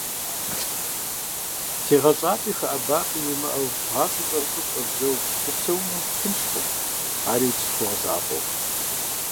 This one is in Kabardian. ТегъэщӀапӀи хэӀэбапӀи уимыӀэу, гъащӀэр щӀэрыщӀэу къыщӀэбдзэу упсэуну тыншкъым, ари убзылъхугъэ закъуэу.